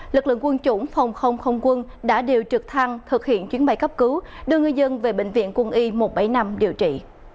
lực lượng quân chủng phòng không không quân đã điều trực thăng thực hiện chuyến bay cấp cứu đưa ngư dân về bệnh viện quân y một trăm bảy mươi năm điều trị